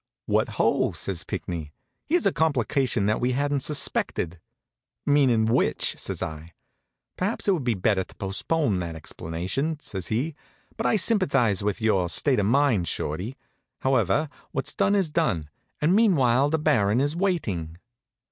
"What ho!" says Pinckney. "Here's a complication that we hadn't suspected." "Meanin' which?" says I. "Perhaps it would be better to postpone that explanation," says he; "but I sympathize with your state of mind, Shorty. However, what's done is done, and meanwhile the Baron is waiting."